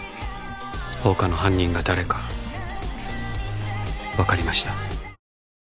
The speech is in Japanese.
放火の犯人が誰かわかりました。